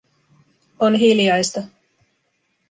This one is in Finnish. On hiljaista.